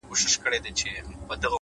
د کاغذ تاو شوی کونج د بېحوصلېتوب نښه وي؛